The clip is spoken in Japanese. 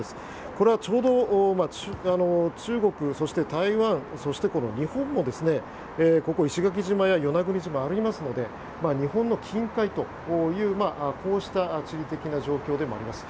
これはちょうど中国、そして台湾そして日本もここ石垣島や与那国島ありますので日本の近海という、こうした地理的な状況でもあります。